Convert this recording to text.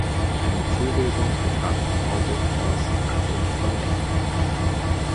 Eine Zuwegung bestand von Aurich aus, also von Westen.